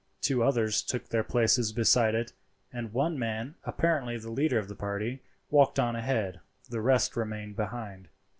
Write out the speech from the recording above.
Two others took their places beside it, and one man, apparently the leader of the party, walked on ahead. The rest remained behind.